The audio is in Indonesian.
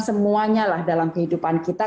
semuanya dalam kehidupan kita